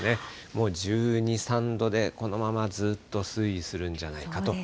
もう１２、３度で、このままずっと推移するんじゃないかと。